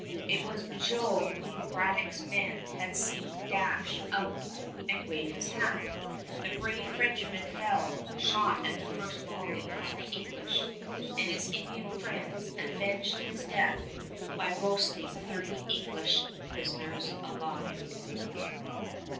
It was Beaujeu whom Braddock's men had seen dash out and wave his hat. The brave Frenchman fell, shot at the first volley from the English, and his Indian friends avenged his death by roasting thirty English prisoners alive.